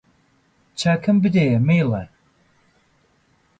چاکم بدەیە مەیلە